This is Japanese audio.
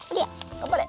がんばれ！